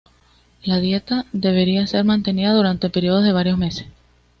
La dieta debía ser mantenida durante periodos de varios meses.